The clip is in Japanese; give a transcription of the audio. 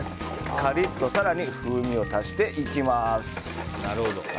カリッと、更に風味を足していきます。